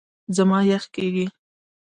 زما یخ کېږي .